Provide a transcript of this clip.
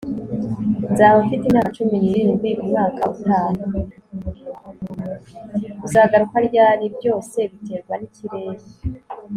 uzagaruka ryari? byose biterwa n'ikirere